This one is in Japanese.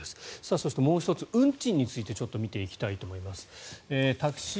そして、もう１つ運賃についてちょっと見ていきたいと思います。